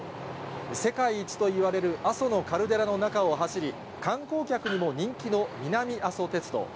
世界一といわれる阿蘇のカルデラの中を走り、観光客にも人気の南阿蘇鉄道。